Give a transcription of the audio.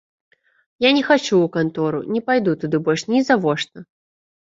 Я не хачу ў кантору, не пайду туды больш нізавошта.